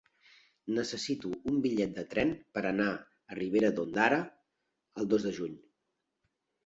Necessito un bitllet de tren per anar a Ribera d'Ondara el dos de juny.